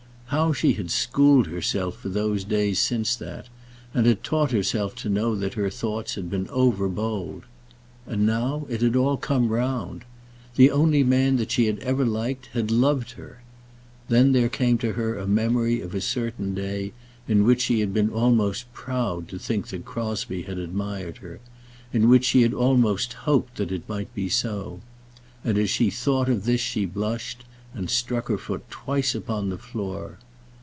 How she had schooled herself for those days since that, and taught herself to know that her thoughts had been over bold! And now it had all come round. The only man that she had ever liked had loved her. Then there came to her a memory of a certain day, in which she had been almost proud to think that Crosbie had admired her, in which she had almost hoped that it might be so; and as she thought of this she blushed, and struck her foot twice upon the floor.